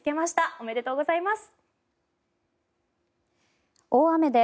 おめでとうございます。